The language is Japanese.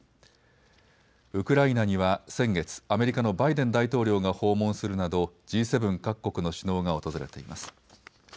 ウクライナには先月、アメリカのバイデン大統領が訪問するなどＧ７各国の首脳が訪れています。